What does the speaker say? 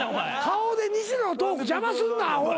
顔で西野のトーク邪魔するな。